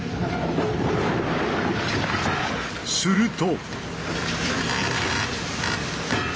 すると。